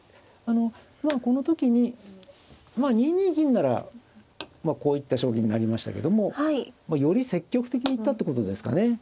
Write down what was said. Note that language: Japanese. まあこの時に２二銀ならこういった将棋になりましたけどもより積極的に行ったってことですかね。